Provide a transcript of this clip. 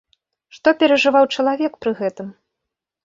Што перажываў чалавек пры гэтым?